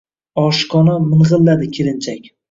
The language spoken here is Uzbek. oshiqona ming`illadi kelinchak